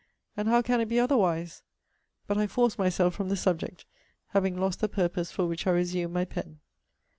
And how can it be otherwise? But I force myself from the subject, having lost the purpose for which I resumed my pen.